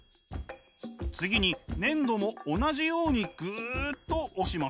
次に粘土も同じようにグッと押します。